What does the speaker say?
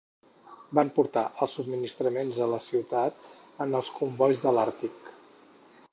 Van portar els subministraments a la ciutat en els combois de l'Àrtic.